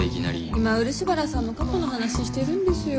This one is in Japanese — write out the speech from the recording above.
今漆原さんの過去の話してるんですよ。